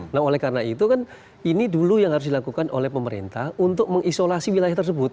nah oleh karena itu kan ini dulu yang harus dilakukan oleh pemerintah untuk mengisolasi wilayah tersebut